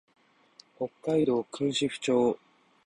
北海道訓子府町